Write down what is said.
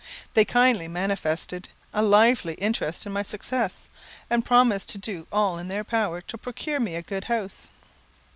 They kindly manifested a lively interest in my success, and promised to do all in their power to procure me a good house.